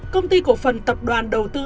công ty cổ phần tập đoàn đầu tư